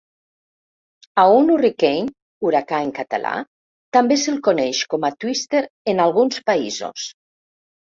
A un "hurricane" (huracà en català) també se'l coneix com a "twister" en alguns països.